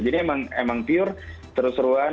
jadi emang pure terus terusan